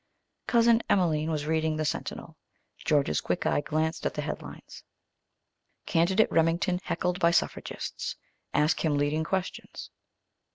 Cousin Emelene was reading the Sentinel. George's quick eye glanced at the headlines: _Candidate Remington Heckled by Suffragists. Ask Him Leading Questions.